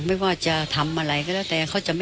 ไม่ว่าจะทำอะไรก็แล้ว